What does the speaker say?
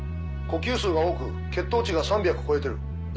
呼吸数が多く血糖値が３００超えてる。